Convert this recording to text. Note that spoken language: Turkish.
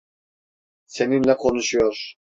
Seninle konuşuyor.